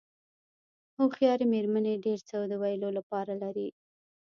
هوښیارې مېرمنې ډېر څه د ویلو لپاره لري.